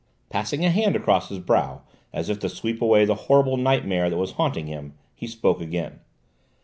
Passing a hand across his brow as if to sweep away the horrible nightmare that was haunting him, he spoke again.